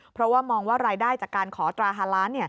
เพราะว่ามองว่ารายได้จากการขอตรา๕ล้าน